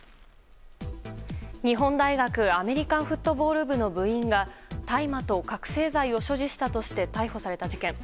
日本大学アメリカンフットボール部の部員が大麻と覚醒剤を所持したとして逮捕された事件。